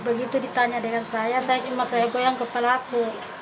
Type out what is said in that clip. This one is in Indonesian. begitu ditanya dengan saya saya cuma goyang kepalaku